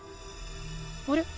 あれ？